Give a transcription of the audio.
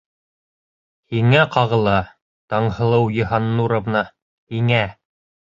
Һиңә ҡағыла, Таңһылыу Йыһаннуровна, һиңә!